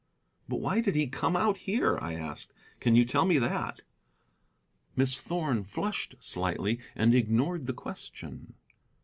"But why did he come out here?" I asked. "Can you tell me that?" Miss Thorn flushed slightly, and ignored the question.